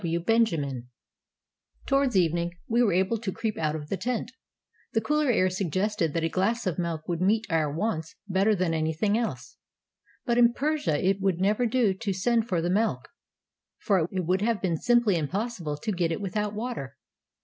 G. W. BENJAMIN Towards evening we were able to creep out of the tent; the cooler air suggested that a glass of milk would meet our wants better than anything else. But in Persia it would never do to send for the milk, for it would have been simply impossible to get it without water.